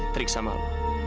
terik sama lu